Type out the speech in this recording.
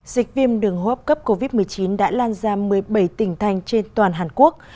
dịch viêm đường hô hấp cấp covid một mươi chín đã lan ra một mươi bảy tỉnh thành trên toàn hàn quốc